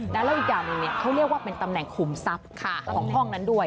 แล้วอีกอย่างหนึ่งเขาเรียกว่าเป็นตำแหน่งขุมทรัพย์ของห้องนั้นด้วย